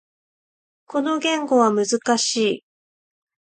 この言語は難しい。